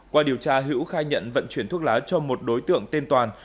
qua điều tra hữu khai nhận vận chuyển thuốc lá cho một đối tượng tên toàn